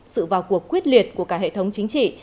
sự vào cuộc quyết liệt của cả hệ thống chính trị